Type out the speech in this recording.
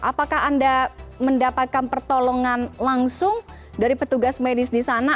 apakah anda mendapatkan pertolongan langsung dari petugas medis di sana